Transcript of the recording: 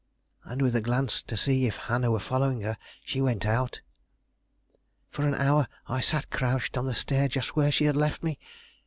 And, with a glance to see if Hannah were following her, she went out. For an hour I sat crouched on the stair just where she had left me.